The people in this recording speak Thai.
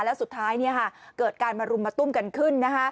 แล้วสุดท้ายเกิดการมารุมมาตุ้มกันขึ้น